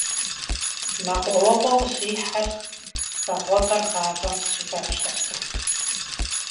Мэкъуауэгъуэ къыщихьэр Вагъуэбэр гъавэм къыщыхэплъэрт.